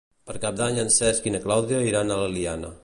Per Cap d'Any en Cesc i na Clàudia iran a l'Eliana.